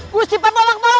gusti pak bolak bolak